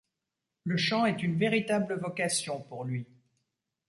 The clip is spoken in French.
Le chant est une véritable vocation pour lui.